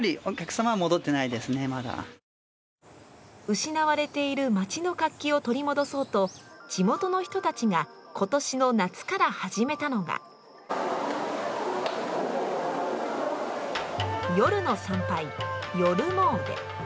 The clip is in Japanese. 失われている町の活気を取り戻そうと地元の人たちが今年の夏から始めたのが夜の参拝、ＹＯＲＵＭＯ−ＤＥ。